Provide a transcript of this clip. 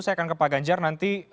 saya akan ke pak ganjar nanti